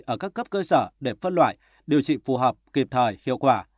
ở các cấp cơ sở để phân loại điều trị phù hợp kịp thời hiệu quả